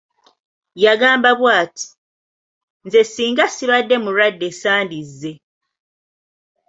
Yagamba bw'ati:"nze ssinga ssibadde mulwadde sandize"